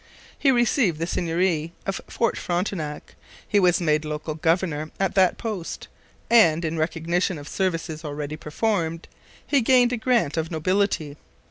He received the seigneury of Fort Frontenac, he was made local governor at that post, and, in recognition of services already performed, he gained a grant of nobility.